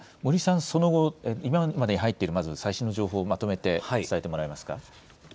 その後、今までに入っている最新の情報をまとめて伝えてもらえますか。